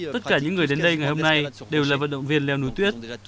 tất cả những người đến đây ngày hôm nay đều là vận động viên leo núi tuyết